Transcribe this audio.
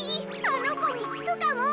あのこにきくかも。